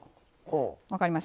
分かります？